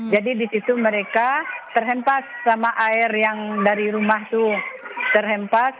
jadi di situ mereka terhempas sama air yang dari rumah itu terhempas